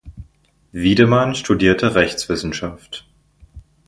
Wiedemann studierte Rechtswissenschaft.